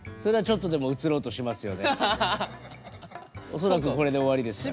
恐らくこれで終わりですから。